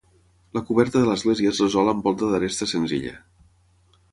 La coberta de l'església es resol amb volta d'aresta senzilla.